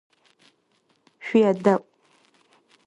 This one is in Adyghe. ШъуедэIу!